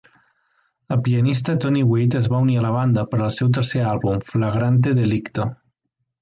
El pianista Tony Wade es va unir a la banda per al seu tercer àlbum, "Flagrante Delicto".